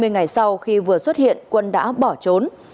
hai mươi ngày sau khi vừa xuất hiện quân đã bỏ trốn